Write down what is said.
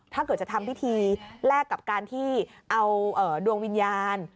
ถ้าเกิดจะทำพิธีแลกกับการที่เอาดวงวิญญาณ